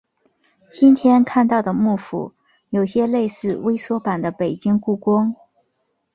今天看到的木府有些类似微缩版的北京故宫。